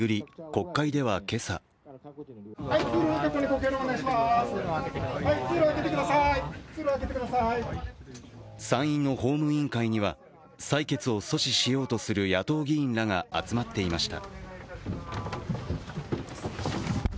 国会では今朝参院の法務委員会には、採決を阻止しようとする野党議員らが集まっていました。